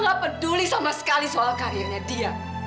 mama gak peduli sama sekali soal karirnya dia